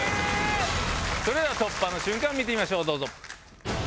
それでは突破の瞬間見てみましょうどうぞ。